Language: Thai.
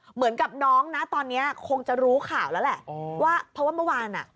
เหมือนกับน้องนะตอนนี้คงจะรู้ข่าวแล้วแหละว่าเพราะว่าเมื่อวานอ่ะ